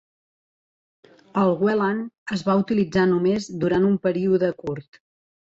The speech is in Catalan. El Welland es va utilitzar només durant un període curt.